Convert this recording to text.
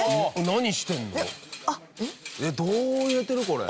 何してるの？